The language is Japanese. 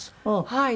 はい。